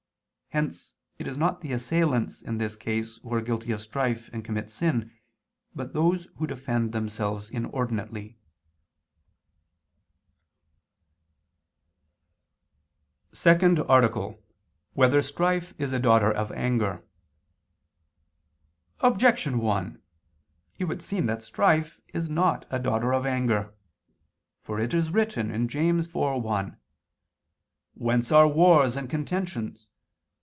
Hence it is not the assailants in this case who are guilty of strife and commit sin, but those who defend themselves inordinately. _______________________ SECOND ARTICLE [II II, Q. 41, Art. 2] Whether Strife Is a Daughter of Anger? Objection 1: It would seem that strife is not a daughter of anger. For it is written (James 4:1): "Whence are wars and contentions?